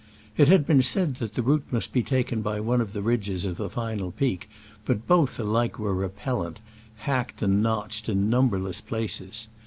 It had been said that the route must be taken by one of the ridges of the final peak, but both were alike repellent, hacked and notched in numberless places.